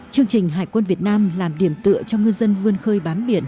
chương trình hải quân việt nam làm điểm tựa cho ngư dân vươn khơi bám biển